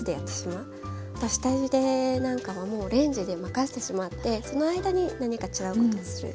あとは下ゆでなんかはもうレンジで任せてしまってその間に何か違うことをする。